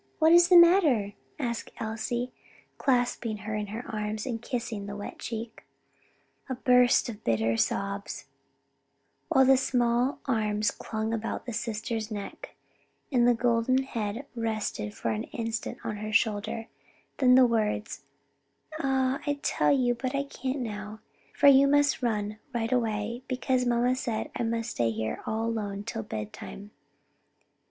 what's the matter?" asked Elsie, clasping her in her arms, and kissing the wet cheek. A burst of bitter sobs, while the small arms clung about the sister's neck, and the golden head rested for an instant on her shoulder, then the words, "Ah I'd tell you, but I can't now, for you must run right away, because mamma said I must stay here all alone till bedtime."